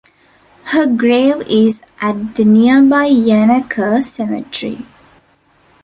Her grave is at the nearby Yanaka Cemetery.